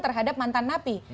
terhadap mantan napi